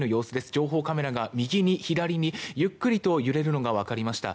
情報カメラが右に左にゆっくりと揺れるのが分かりました。